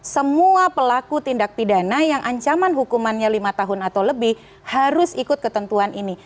semua pelaku tindak pidana yang ancaman hukumannya lima tahun atau lebih harus ikut ketentuan ini